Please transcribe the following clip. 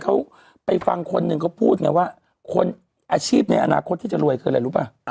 เขาไปฟังคนหนึ่งเขาพูดไงว่าคนอาชีพในอนาคตที่จะรวยคืออะไรรู้ป่ะ